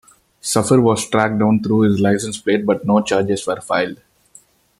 Safir was tracked down through his license plate but no charges were filed.